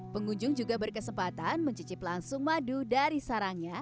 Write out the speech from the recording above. pengunjung juga berkesempatan mencicip langsung madu dari sarangnya